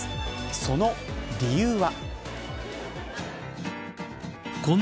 その理由は。